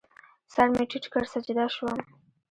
سر مې ټیټ کړ، سجده شوم